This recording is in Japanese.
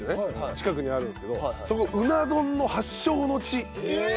近くにあるんですけどそこうな丼の発祥の地なんですって。